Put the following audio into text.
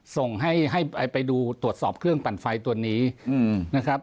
ส่งให้ไปดูตรวจสอบเครื่องปั่นไฟตัวนี้นะครับ